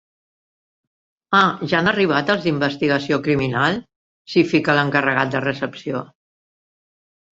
Ah, ja han arribat els d'Investigació Criminal? —s'hi fica l'encarregat de recepció.